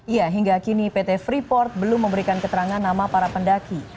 ya hingga kini pt freeport belum memberikan keterangan nama para pendaki